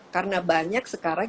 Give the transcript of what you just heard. karena banyak sekarang